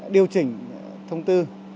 điều chỉnh thông tư